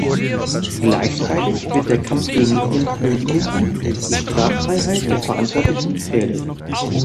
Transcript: Gleichzeitig wird der Kampf gegen impunity, die Straffreiheit der Verantwortlichen, gefährdet.